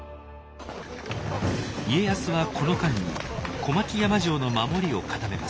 家康はこの間に小牧山城の守りを固めます。